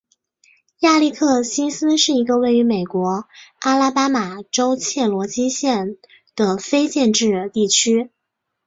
亚历克西斯是一个位于美国阿拉巴马州切罗基县的非建制地区。